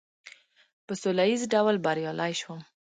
په سوله ایز ډول بریالی شوم.